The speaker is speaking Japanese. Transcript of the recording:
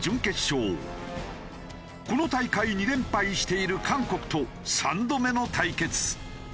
この大会２連敗している韓国と３度目の対決。